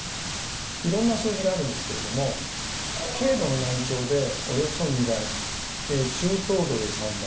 いろんな数字があるんですけれども軽度の難聴でおよそ２倍中等度で３倍